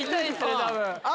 多分。